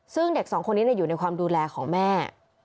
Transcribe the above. ซึ่งเด็กสองคนนี้อยู่ในความดูแลของแม่